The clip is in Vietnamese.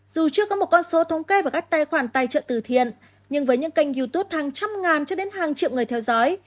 dù chưa có một con số thống kê vào các tài khoản tài trợ từ thiện nhưng với những kênh youtube hàng trăm ngàn cho đến hàng triệu người theo dõi